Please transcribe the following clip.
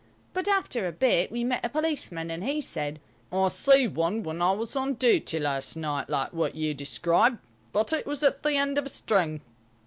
But after a bit we met a policeman, and he said, "I see one when I was on duty last night, like what you describe, but it was at the end of a string.